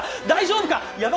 大丈夫か？